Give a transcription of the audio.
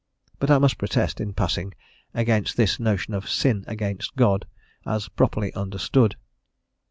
But I must protest, in passing, against this notion of "sin against God" as properly understood.